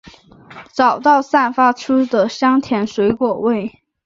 找到散发出的香甜水果味！